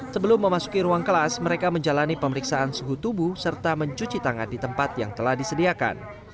sebelum memasuki ruang kelas mereka menjalani pemeriksaan suhu tubuh serta mencuci tangan di tempat yang telah disediakan